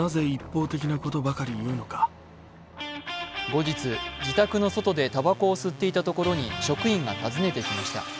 後日、自宅の外でたばこを吸っていたところに職員が訪ねてきました。